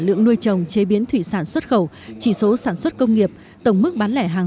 lượng nuôi trồng chế biến thủy sản xuất khẩu chỉ số sản xuất công nghiệp tổng mức bán lẻ hàng